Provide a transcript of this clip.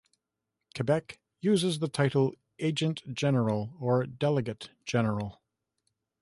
Quebec uses the title Agent-General or Delegate-General.